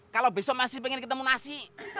kalau besok masih pengen ketemu nasi